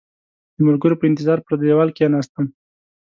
د ملګرو په انتظار پر دېوال کېناستم.